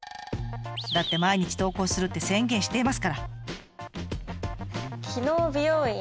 だって「毎日投稿する」って宣言していますから。